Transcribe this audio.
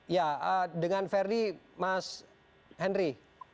ya dengan verdi mas henry